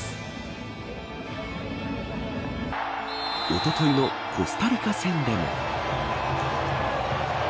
おとといのコスタリカ戦でも。